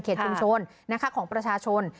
ชุมชนของประชาชน